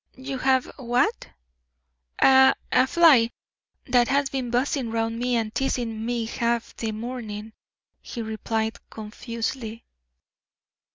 "You have what?" "A a fly that has been buzzing round me and teasing me half the morning," he replied, confusedly.